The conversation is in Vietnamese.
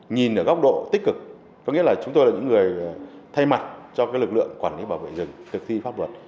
nhìn ở góc độ tích cực có nghĩa là chúng tôi là những người thay mặt cho lực lượng quản lý bảo vệ rừng thực thi pháp luật